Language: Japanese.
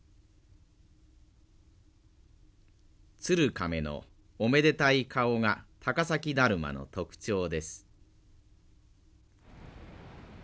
鶴亀のおめでたい顔が高崎だるまの特徴です。